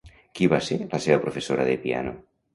Qui va ser la seva professora de piano?